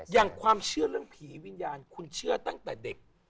อย่างความเชื่อเรื่องผีวิญญาณคุณเชื่อตั้งแต่เด็ก